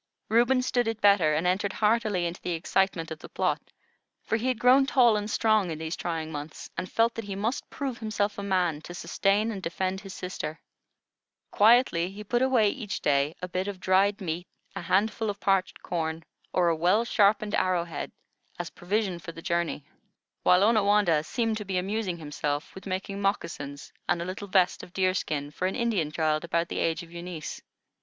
Reuben stood it better, and entered heartily into the excitement of the plot; for he had grown tall and strong in these trying months, and felt that he must prove himself a man to sustain and defend his sister. Quietly he put away each day a bit of dried meat, a handful of parched corn, or a well sharpened arrowhead, as provision for the journey; while Onawandah seemed to be amusing himself with making moccasins and a little vest of deer skin for an Indian child about the age of Eunice.